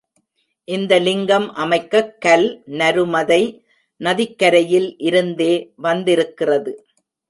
இந்த லிங்கம் அமைக்கக் கல், நருமதை நதிக்கரையில் இருந்தே வந்திருக்கிறது.